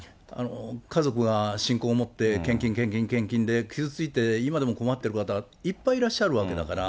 家族が信仰を持って献金献金献金で、傷ついて、今でも困ってる方、いっぱいいらっしゃるわけだから。